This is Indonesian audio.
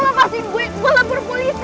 lepasin gue apaan tuh